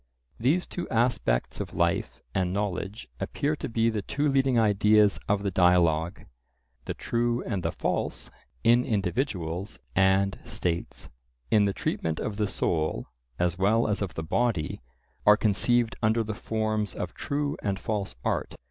These two aspects of life and knowledge appear to be the two leading ideas of the dialogue. The true and the false in individuals and states, in the treatment of the soul as well as of the body, are conceived under the forms of true and false art.